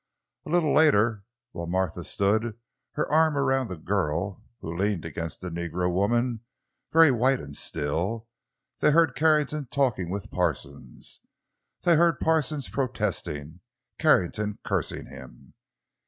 A little later, while Martha stood, her arms around the girl, who leaned against the negro woman, very white and still, they heard Carrington talking with Parsons. They heard Parsons protesting, Carrington cursing him.